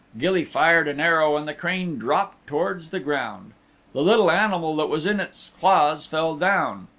Gilly fired an arrow and the crane dropped towards the ground. The little animal that was in its claws fell down.